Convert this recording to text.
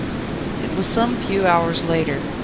It was some few hours later.